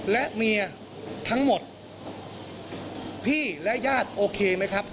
และเมียทั้งหมดพี่และญาติโอเคไหมครับ